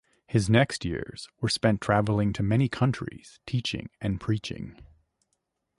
His next years were spent traveling to many countries teaching and preaching.